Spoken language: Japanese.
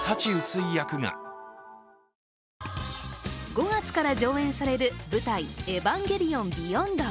５月から上演される「舞台・エヴァンゲリオンビヨンド」。